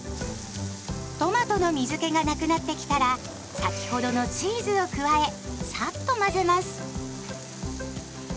トマトの水けがなくなってきたら先ほどのチーズを加えサッと混ぜます。